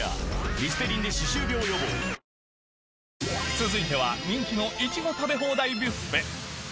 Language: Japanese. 続いては人気のいちご食べ放題ビュッフェ